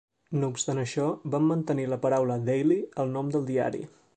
No obstant això, van mantenir la paraula "Daily" al nom del diari.